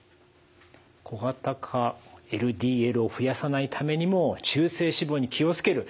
小型化ＬＤＬを増やさないためにも中性脂肪に気を付ける。